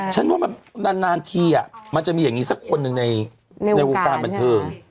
ฉันว่ามันนานทีมันจะมีอย่างนี้สักคนหนึ่งในวงการบันเทิง